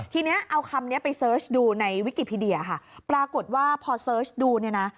ทีนี้เอาคำนี้ไปเสิร์ชดูในวิกิพีเดียค่ะปรากฏว่าพอเสิร์ชดูเนี่ยนะ